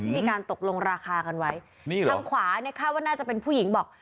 มีการตกลงราคากันไว้นี่แหละทางขวาเนี่ยคาดว่าน่าจะเป็นผู้หญิงบอก